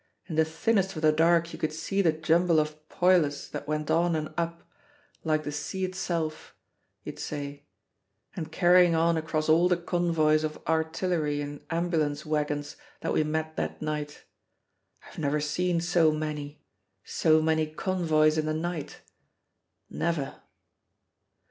In the thinnest of the dark you could see the jumble of poilus that went on and up like the sea itself, you'd say and carrying on across all the convoys of artillery and ambulance wagons that we met that night. I've never seen so many, so many convoys in the night, never!"